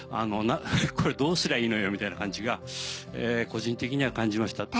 「こりゃどうすりゃいいのよ」みたいな感じが個人的には感じました。